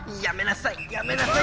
やめなさい！